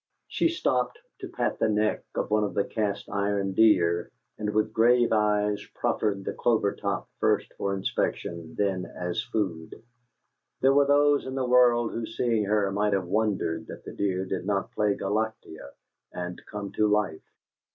She stopped to pat the neck of one of the cast iron deer, and with grave eyes proffered the clover top first for inspection, then as food. There were those in the world who, seeing her, might have wondered that the deer did not play Galatea and come to life.